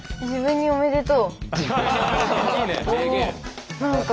「自分におめでとう」